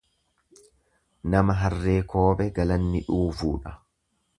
Nama harree koobe galanni dhuufuudha.